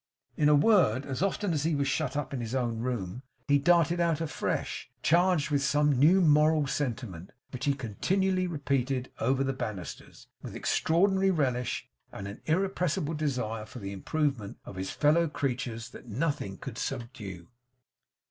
In a word, as often as he was shut up in his own room, he darted out afresh, charged with some new moral sentiment, which he continually repeated over the banisters, with extraordinary relish, and an irrepressible desire for the improvement of his fellow creatures that nothing could subdue.